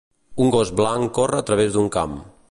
Un gos blanc corre a través d'un camp.